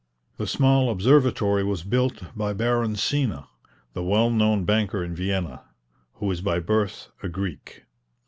The small observatory was built by Baron Sina, the well known banker in Vienna, who is by birth a Greek.